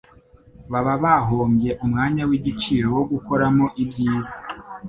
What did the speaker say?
baba bahombye umwanya w'igiciro wo gukoramo ibyiza.